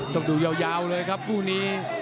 ต้องดูยาวเลยครับคู่นี้